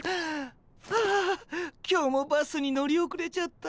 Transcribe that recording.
ああ今日もバスに乗り遅れちゃった。